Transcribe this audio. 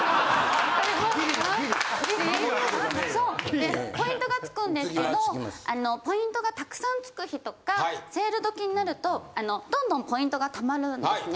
でポイントが付くんですけどポイントがたくさんつく日とかセール時になるとどんどんポイントが貯まるんですね。